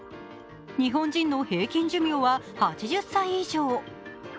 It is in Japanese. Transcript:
日本人の平均寿命は８０歳以上。